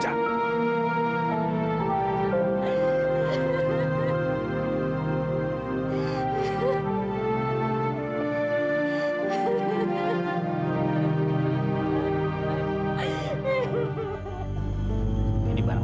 kita harus selamat ingin hidupoweh